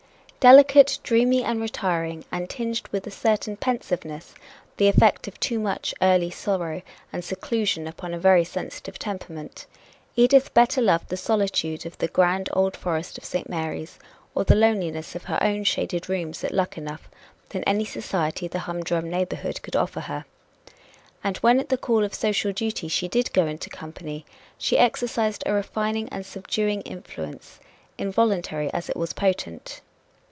Delicate, dreamy and retiring, and tinged with a certain pensiveness, the effect of too much early sorrow and seclusion upon a very sensitive temperament, Edith better loved the solitude of the grand old forest of St. Mary's or the loneliness of her own shaded rooms at Luckenough than any society the humdrum neighborhood could offer her. And when at the call of social duty she did go into company, she exercised a refining and subduing influence, involuntary as it was potent.